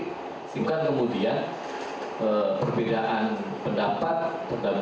sehingga kemudian perbedaan pendapat